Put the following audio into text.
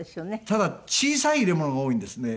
ただ小さい入れ物が多いんですね。